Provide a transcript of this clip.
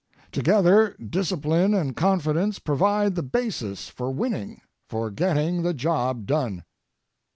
Together, discipline and confidence provide the basis for winning, for getting the job done.